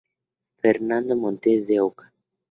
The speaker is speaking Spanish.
Fernando Montes de Oca